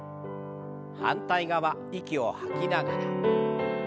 反対側息を吐きながら。